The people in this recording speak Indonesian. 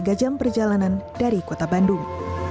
tiga jam perjalanan dari kota bandung